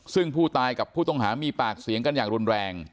ซึ่งผู้ตายกับผู้ต้องหามีปากเสียงกันอย่างรุนแรง